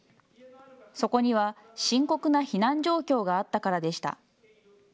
そこには深刻な避難状況があったからでした。